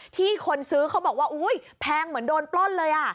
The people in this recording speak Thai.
ที่คนซื้อเขาบอกว่าอุ๊ยแพงเหมือนโดนปล้นเลย